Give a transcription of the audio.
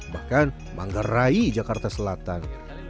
bahkan manggarai jakarta selatan